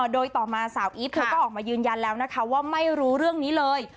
โดยต่อมาสาวอีฟเธอก็ออกมายืนยันแล้วนะคะว่าไม่รู้เรื่องนี้เลย